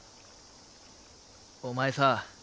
お前さ